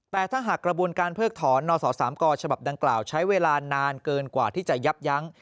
แต่ถ้าหากกระบวนการเพิกถอนนส๓กฉบับดังกล่าวใช้เวลานานเกินกว่าที่จะยับยั้ง